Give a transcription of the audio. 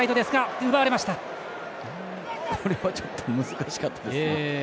これは、ちょっと難しかったですね。